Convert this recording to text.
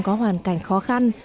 có hoàn cảnh khó khăn